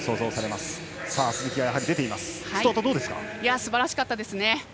すばらしかったですね。